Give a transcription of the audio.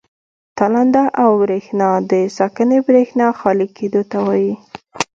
تالنده او برېښنا د ساکنې برېښنا خالي کېدو ته وایي.